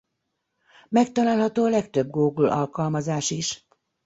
Megtalálható a legtöbb Google-alkalmazás is.